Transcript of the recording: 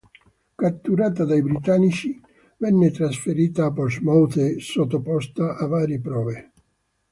Catturata dai britannici, venne trasferita a Portsmouth e sottoposta a varie prove.